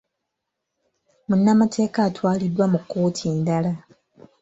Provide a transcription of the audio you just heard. Munnamateeka atwaliddwa mu kkooti endala.